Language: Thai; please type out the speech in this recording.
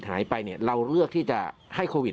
สร้างภัยไม่จบแล้วครัวที่โลกนี้แหหยะโควิด๑๙